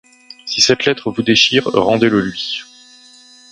Si cette lettre vous déchire, rendez-le-lui.